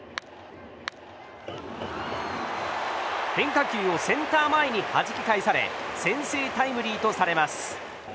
変化球をセンター前にはじき返され先制タイムリーとされます。